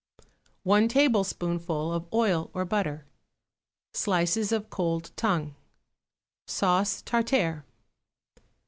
1 tablespoonful of oil or butter. Slices of cold tongue. Sauce tartare.